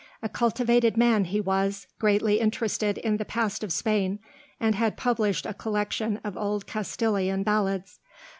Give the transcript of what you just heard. A cultivated man he was, greatly interested in the past of Spain, and had published a collection of old Castilian ballads.